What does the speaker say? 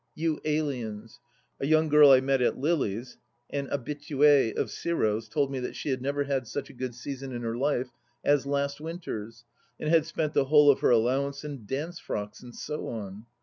You aliens ! A young girl I met at Lily's, an habituSe of Giro's, told me that she had never had such a good season in her life as last winter's, and had spent the whole of her allowance in dance frocks, and so on.